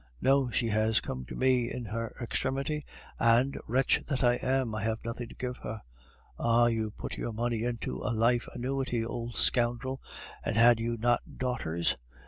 No. She has come to me in her extremity, and, wretch that I am, I have nothing to give her. Ah! you put your money into a life annuity, old scoundrel; and had you not daughters?